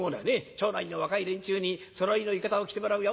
町内の若い連中にそろいの浴衣を着てもらうよ。